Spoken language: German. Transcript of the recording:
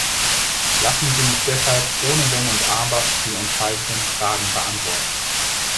Lassen Sie mich deshalb ohne Wenn und Aber die entscheidenden Fragen beantworten.